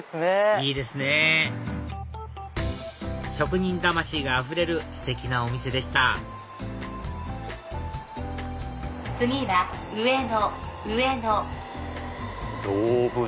いいですねぇ職人魂があふれるステキなお店でした次は上野。